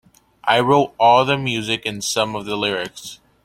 I wrote all the music and some of the lyrics.